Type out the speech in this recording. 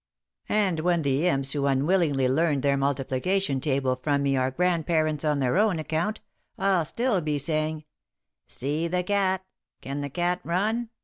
And when the imps who unwillingly learned their multiplication table from me are grandparents on their own account, I'll still be saying: 'See the cat! Can the cat run?